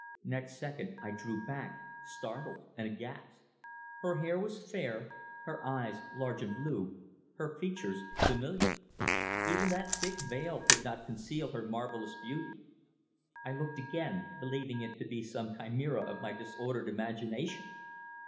Next second I drew back, startled and aghast. Her hair was fair, her eyes large and blue, her features familiar. Even that thick veil could not conceal her marvellous beauty. I looked again, believing it to be some chimera of my disordered imagination.